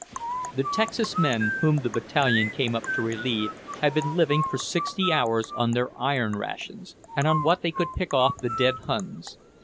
The Texas men whom the Battalion came up to relieve had been living for sixty hours on their iron rations, and on what they could pick off the dead Huns.